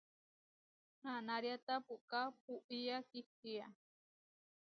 Nananáriata puʼká puʼía kihčía.